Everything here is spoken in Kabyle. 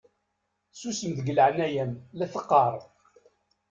Susem deg leɛnaya-m la teqqaṛ!